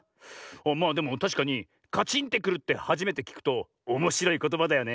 まあでもたしかにカチンってくるってはじめてきくとおもしろいことばだよねえ。